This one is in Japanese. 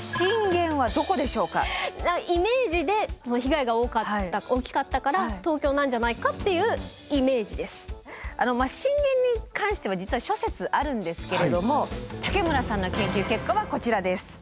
イメージで被害が大きかったから震源に関しては実は諸説あるんですけれども武村さんの研究結果はこちらです。